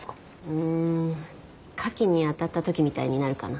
うーん牡蠣にあたった時みたいになるかな。